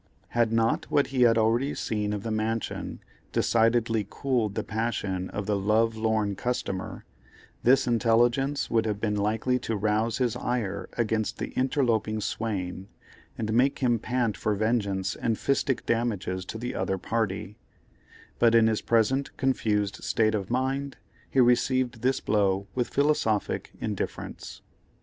Had not what he had already seen of the mansion decidedly cooled the passion of the love lorn customer, this intelligence would have been likely to rouse his ire against the interloping swain, and make him pant for vengeance and fistic damages to the other party; but in his present confused state of mind he received this blow with philosophic indifference.